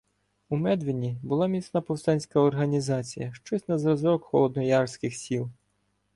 У Медвині була міцна повстанська організація, щось на зразок холодноярських сіл.